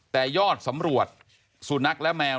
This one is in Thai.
แต่ยอดสำรวจสุนัขและแมว